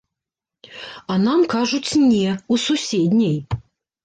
А нам кажуць, не, у суседняй.